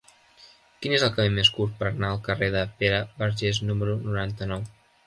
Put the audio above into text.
Quin és el camí més curt per anar al carrer de Pere Vergés número noranta-nou?